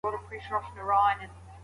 ایا مسلکي بڼوال وچ توت صادروي؟